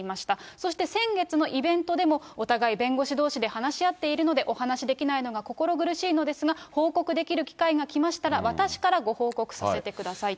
そして、先月のイベントでも、お互い弁護士どうしで話し合っているので、お話しできないのが心苦しいのですが、報告できる機会がきましたら、私からご報告させてくださいと。